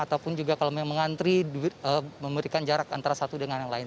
ataupun juga kalau memang mengantri memberikan jarak antara satu dengan yang lain